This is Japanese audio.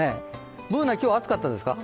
Ｂｏｏｎａ、今日は暑かったですか？